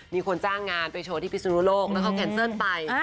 มีคนจ้างงานไปโชว์ที่พิศนุโลกแล้วเขาแคนเซิลไป